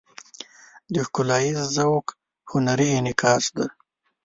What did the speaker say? د ښکلاییز ذوق هنري انعکاس دی.